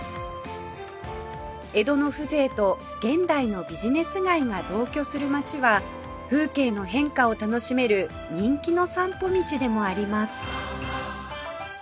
江戸の風情と現代のビジネス街が同居する街は風景の変化を楽しめる人気の散歩道でもあります